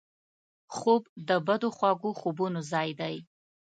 خوب د بدو خوږو خوبونو ځای دی